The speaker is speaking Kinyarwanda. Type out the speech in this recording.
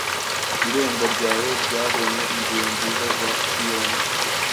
Irembo ryawe ryabonye inzira nziza za Siyoni: